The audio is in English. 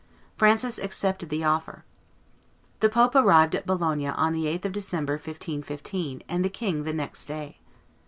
Francis accepted the offer. The pope arrived at Bologna on the 8th of December, 1515, and the king the next day.